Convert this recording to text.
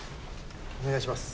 お願いします。